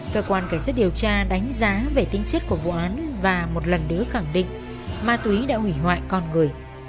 cơ quan cảnh sát điều tra đánh giá về tính chất của vụ án và một lần nữa khẳng định ma túy đã hủy hoại con người